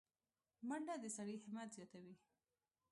منډه د سړي همت زیاتوي